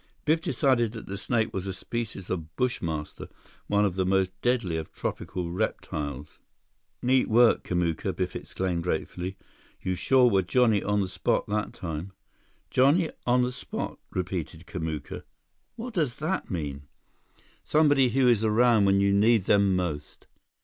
Biff decided that the snake was a species of bushmaster, one of the most deadly of tropical reptiles. "Neat work, Kamuka," Biff exclaimed gratefully. "You sure were johnny on the spot that time!" "Johnny on the spot," repeated Kamuka. "What does that mean?" "Somebody who is around when you need them most."